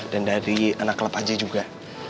dan dari anak club aja juga